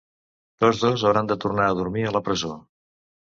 Tots dos hauran de tornar a dormir a la presó.